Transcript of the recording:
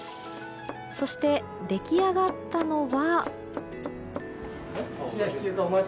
そして、出来上がったのが。